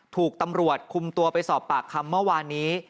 ถูกตำรวจคุมตัวไปสอบปากคำเมื่อวานนี้